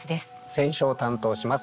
選書を担当します